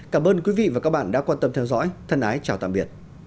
cảm ơn quý vị và các bạn đã quan tâm theo dõi